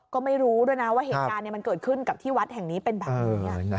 ก็ไม่รู้ด้วยนะว่าเหตุการณ์มันเกิดขึ้นกับที่วัดแห่งนี้เป็นแบบนี้